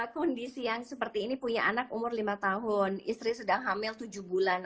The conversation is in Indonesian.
kondisi yang seperti ini punya anak umur lima tahun istri sedang hamil tujuh bulan